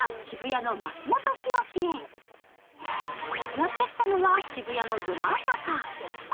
やってきたのは渋谷のど真ん中。